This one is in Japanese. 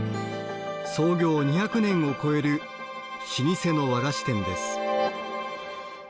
創業２００年を超える老舗の和菓子店です。